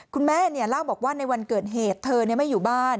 คุณแม่เล่าบอกว่าในวันเกิดเหตุเธอไม่อยู่บ้าน